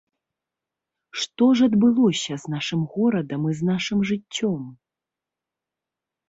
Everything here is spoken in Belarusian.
Што ж адбылося з нашым горадам і з нашым жыццём?